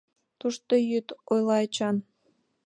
— Тушто йӱыт, — ойла Эчан.